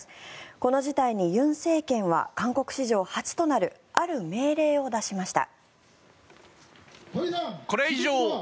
この事態に尹政権は韓国史上初となるある命令を出しました。